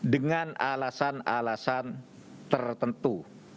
dengan alasan alasan tertentu